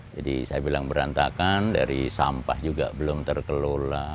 jadi saya bilang berantakan dari sampah juga belum terkelola